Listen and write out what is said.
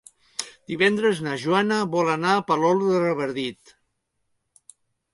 Divendres na Joana vol anar a Palol de Revardit.